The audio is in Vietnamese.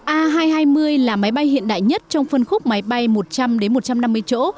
a hai trăm hai mươi là máy bay hiện đại nhất trong phân khúc máy bay một trăm linh một trăm năm mươi chỗ